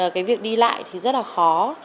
cái việc đi lại thì rất là khó